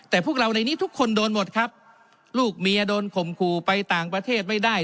แต่พวกเราในนี้ทุกคนโดนหมดครับลูกเมียโดนข่มขู่ไปต่างประเทศไม่ได้